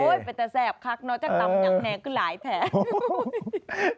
โอ๊ยเป็นแต่แสบคักเนาะแต่ตำอย่างแนงก็หลายแผน